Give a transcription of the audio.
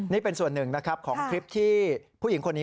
นี่เป็นส่วนหนึ่งนะครับของคลิปที่ผู้หญิงคนนี้